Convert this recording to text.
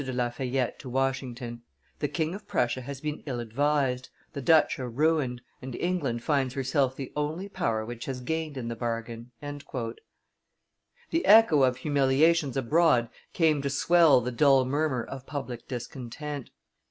de La Fayette to Washington; "the King of Prussia has been ill advised, the Dutch are ruined, and England finds herself the only power which has gained in the bargain." The echo of humiliations abroad came to swell the dull murmur of public discontent.